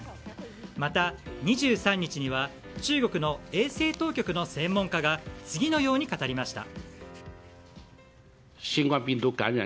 また、２３日には中国の衛生当局の専門家が次のように語りました。